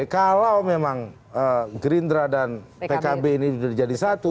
kalau memang gerindra dan pkb ini sudah jadi satu